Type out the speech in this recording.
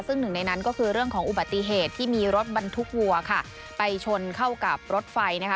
ซึ่งหนึ่งในนั้นก็คือเรื่องของอุบัติเหตุที่มีรถบรรทุกวัวค่ะไปชนเข้ากับรถไฟนะคะ